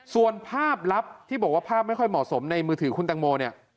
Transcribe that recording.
ส่วนภาพลับที่บอกว่าภาพไม่ค่อยเหมาะสมในมือถือคุณตังโมเนี่ย